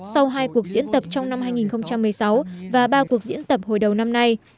sau hai cuộc diễn tập trong năm hai nghìn một mươi sáu và ba cuộc diễn tập hồi đầu năm nay